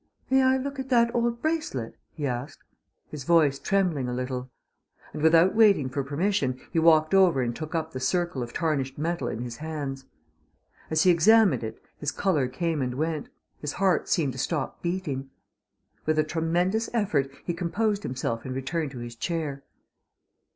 "May I look at that old bracelet?" he asked, his voice trembling a little; and without waiting for permission he walked over and took up the circle of tarnished metal in his hands. As he examined it his colour came and went, his heart seemed to stop beating. With a tremendous effort he composed himself and returned to his chair.